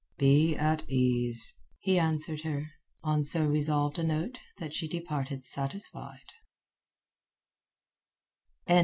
"Be at ease," he answered her, on so resolved a note that she departed satisfied.